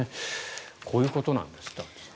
こういうことなんですってアンジュさん。